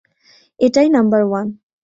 এটাই number one!